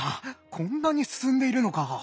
こんなに進んでいるのか。